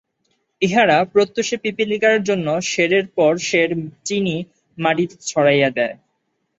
ইহারা প্রত্যুষে পিপীলিকার জন্য সেরের পর সের চিনি মাটিতে ছড়াইয়া দেয়।